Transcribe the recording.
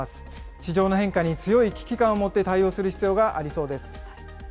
市場の変化に強い危機感を持って対応する必要がありそうです。